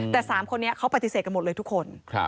แต่๓คนนี้เขาปฏิเสธกันหมดเลยทุกคน